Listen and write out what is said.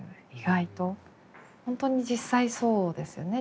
本当に実際そうですよね。